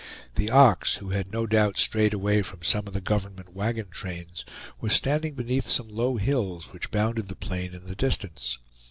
The ox, who had no doubt strayed away from some of the government wagon trains, was standing beneath some low hills which bounded the plain in the distance.